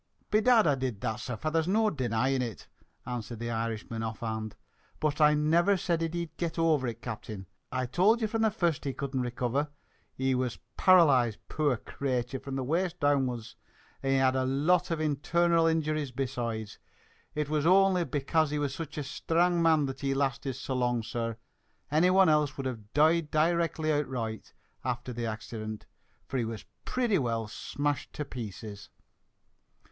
"Bedad, I did that, sir; father's no denyin' it," answered the Irishman, off hand. "But I niver s'id he'd git over it, cap'en. I tuld ye from the first he couldn't reciver, for he was paralysed, poor craytur', from the waist downwards, and had a lot of internal injury besides. It was aunly bekase he was sich a shtrang man that he's lasted so long, sir. Any one else would have died directly outright afther the accident, for he was pretty well smashed to pieces!"